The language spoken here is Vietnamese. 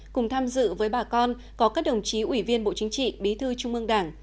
cùng tham dự với bà con có các đồng chí ủy viên bộ chính trị bí thư trung ương đảng